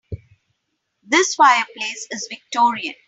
This fireplace is victorian.